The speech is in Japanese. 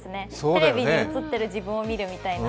テレビに映っている自分を見るみたいな。